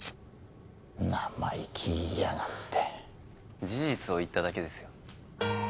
生意気言いやがって事実を言っただけですよ